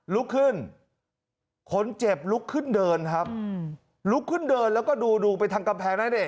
ลุกขึ้นคนเจ็บลุกขึ้นเดินครับลุกขึ้นเดินแล้วก็ดูดูไปทางกำแพงนั้นดิ